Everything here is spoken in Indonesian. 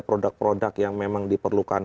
produk produk yang memang diperlukan